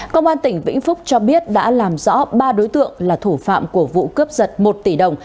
công an tỉnh vĩnh phúc cho biết đã làm rõ ba đối tượng là thủ phạm của vụ cướp giật một tỷ đồng